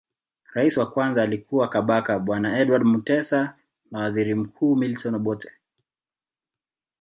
Rais wa kwanza alikuwa Kabaka bwana Edward Mutesa na waziri mkuu Milton Obote